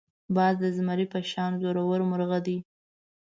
باز د زمري په شان زړور مرغه دی